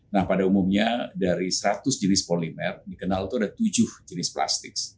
nah pada umumnya dari seratus jenis kuliner dikenal itu ada tujuh jenis plastik